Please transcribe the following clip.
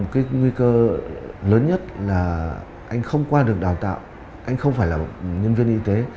cái nguy cơ lớn nhất là anh không qua được đào tạo anh không phải là nhân viên y tế